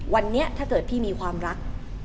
วันนี้ถ้าเกิดพี่มีความรัก